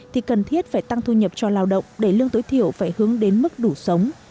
thì cần thiết phải tăng thu nhập cho lao động để lương tối thiểu phải hướng đến mức đủ sống